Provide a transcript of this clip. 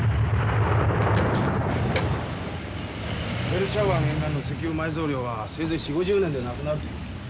ペルシャ湾沿岸の石油埋蔵量はせいぜい４０５０年でなくなるという。